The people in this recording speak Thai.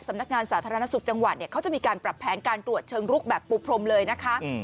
สำนักงานสาธารณสุขจังหวัดเนี่ยเขาจะมีการปรับแผนการตรวจเชิงลุกแบบปูพรมเลยนะคะ